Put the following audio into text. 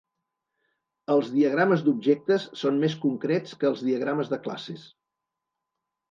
Els diagrames d'objectes són més concrets que els diagrames de classes.